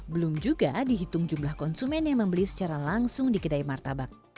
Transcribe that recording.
belum juga dihitung jumlah konsumen yang membeli secara langsung di kedai martabak